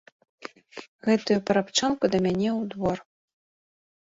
Гэтую парабчанку да мяне ў двор!